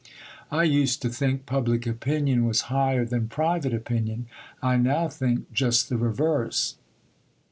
I used to think public opinion was higher than private opinion. I now think just the reverse.